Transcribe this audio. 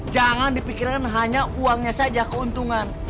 jangan dipikirkan hanya uangnya saja keuntungan